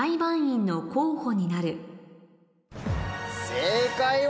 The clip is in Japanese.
正解は。